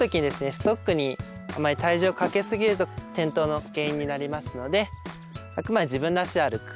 ストックにあまり体重をかけすぎると転倒の原因になりますのであくまで自分の足で歩く。